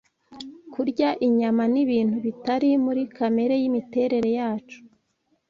Kurya inyama ni ibintu bitari muri kamere y’imiterere yacu.